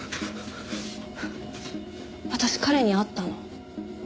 私彼に会ったの。